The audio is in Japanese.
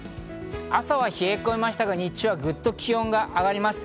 朝は冷え込みましたが、日中はグッと気温が上がります。